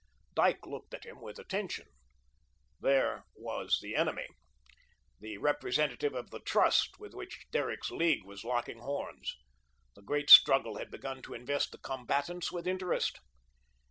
Dyke looked at him with attention. There was the enemy, the representative of the Trust with which Derrick's League was locking horns. The great struggle had begun to invest the combatants with interest.